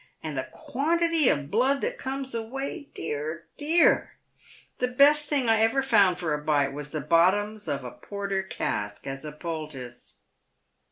And the quantity of blood that comes away, dear ! dear ! The best thing I ever found for a bite was the bottoms of a porter cask as a poultice."